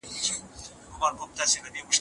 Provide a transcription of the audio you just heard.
پغمان بې ونو نه دی.